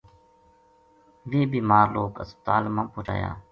ویہ بیمار لوک ہسپتا ل ما پوہچایا